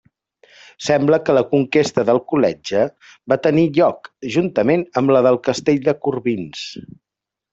Sembla que la conquesta d'Alcoletge va tenir lloc juntament amb la del castell de Corbins.